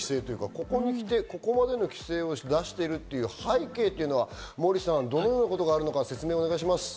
ここにきて、ここまでの規制を出している背景というのはモーリーさん、どのようなことがあるのか説明をお願いします。